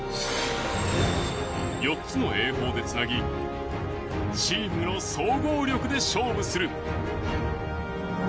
４つの泳法でつなぎチームの総合力で勝負する。